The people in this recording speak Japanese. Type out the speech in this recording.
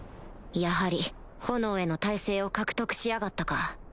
やはり炎への耐性を獲得しやがったか